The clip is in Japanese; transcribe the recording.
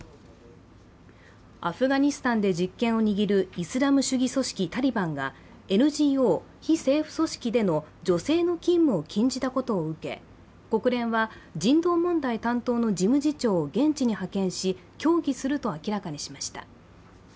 アフガニスタンで実権を握るイスラム主義組織タリバンがＮＧＯ＝非政府組織での女性の勤務を禁じたことを受け国連は、人道問題担当の事務次長を現地に派遣し協議すると明らかにしました。